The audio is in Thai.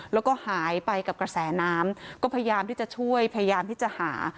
แล้วก็หายไปกับกระแสน้ำก็พยายามที่จะช่วยพยายามที่จะหา